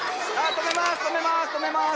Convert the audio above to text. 止めます！